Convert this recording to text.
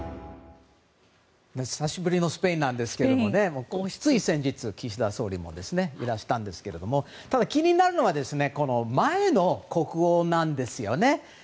久しぶりのスペインですけどつい先日、岸田総理もいらしたんですけどもただ、気になるのはこの前の国王なんですよね。